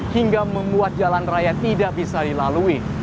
hingga membuat jalan raya tidak bisa dilalui